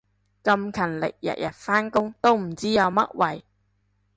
咁勤力日日返工都唔知有乜謂